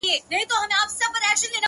و ماته عجيبه دي توري د ،